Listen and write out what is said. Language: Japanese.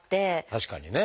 確かにね。